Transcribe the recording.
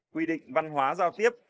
quy định văn hóa giao tiếp